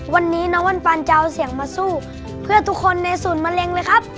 วันนี้น้องวันปันจะเอาเสียงมาสู้เพื่อทุกคนในศูนย์มะเร็งเลยครับ